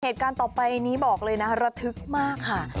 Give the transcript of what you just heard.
เหตุการณ์ต่อไปนี้บอกเลยนะระทึกมากค่ะ